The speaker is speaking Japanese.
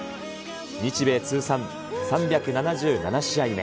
日米通算３７７試合目。